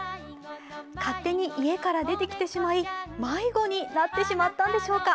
勝手に家から出てきてしまい迷子になってしまったんでしょうか。